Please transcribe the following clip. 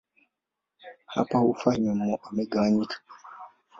Hapa ufa imegawanyika.